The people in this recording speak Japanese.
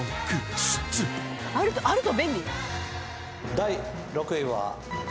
第６位は。